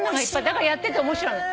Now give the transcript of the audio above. だからやってて面白いの。